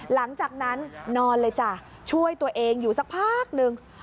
หลังจากนั้นนอนเลยจ้ะช่วยตัวเองอยู่สักพักหนึ่ง